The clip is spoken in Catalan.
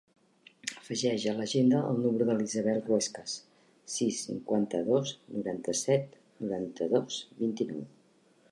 Afegeix a l'agenda el número de l'Isabel Ruescas: sis, cinquanta-dos, noranta-set, noranta-dos, vint-i-nou.